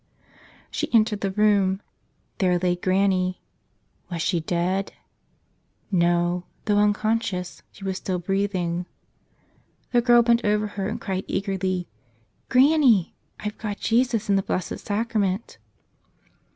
She entered the room. There lay Granny. Was she dead? No; though unconscious, she was still breath¬ ing. The girl bent over her and cried eagerly, ''Granny, I've got Jesus in the Blessed Sacrament."